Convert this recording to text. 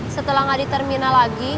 setelah nggak di terminal lagi